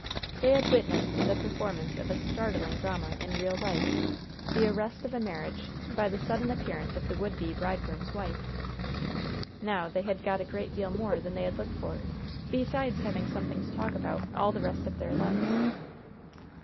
They had witnessed the performance of a startling drama in real life the arrest of a marriage by the sudden appearance of the would be bridegroom's wife. Now, they had got a great deal more than they had looked for, besides having something to talk about all the rest of their lives.